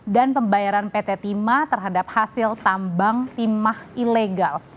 dan pembayaran pt timah terhadap hasil tambang timah ilegal